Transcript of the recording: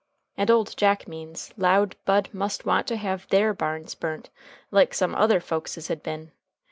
And old Jack Means 'lowed Bud must want to have their barns burnt like some other folkses had been.